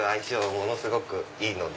ものすごくいいので。